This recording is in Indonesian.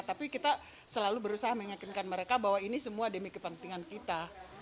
tapi kita selalu berusaha meyakinkan mereka bahwa ini semua demi kepentingan kita